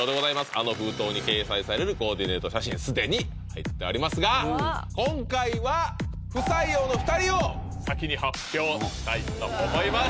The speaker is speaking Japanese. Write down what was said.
あの封筒に掲載されるコーディネート写真既に入っておりますが今回はしたいと思います